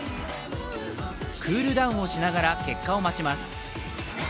クールダウンをしながら結果を待ちます。